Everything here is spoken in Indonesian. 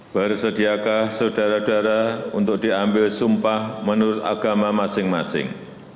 bersediakah saudara saudara untuk diambil sumpah menurut agama masing masing